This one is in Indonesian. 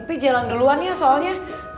tapi jalan duluan ya soalnya